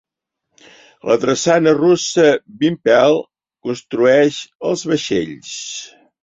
La drassana russa "Vympel" construeix els vaixells.